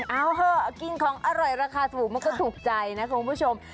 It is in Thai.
เอาเหอะเอากินของอร่อยราคาถูกมันก็ถูกใจนะคุณผู้ชม